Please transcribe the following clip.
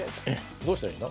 どうしたらいいの？